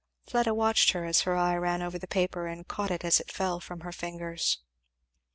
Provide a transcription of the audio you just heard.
Fleda watched her as her eye ran over the paper and caught it as it fell from her fingers.